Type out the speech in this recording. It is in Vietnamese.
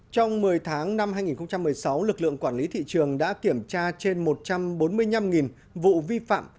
trong một mươi tháng năm hai nghìn một mươi sáu lực lượng quản lý thị trường đã kiểm tra trên một trăm bốn mươi năm vụ vi phạm